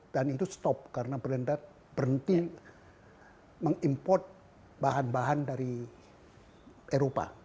dan itu berhenti karena belanda berhenti mengimport bahan bahan dari eropa